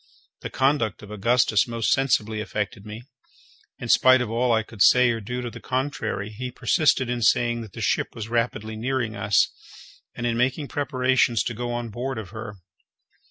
The conduct of Augustus most sensibly affected me. In spite of all I could say or do to the contrary, he persisted in saying that the ship was rapidly nearing us, and in making preparations to go on board of her.